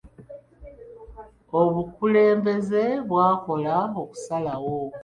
Obukulembeze bwakola okusalawo.